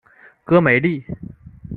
戈梅利。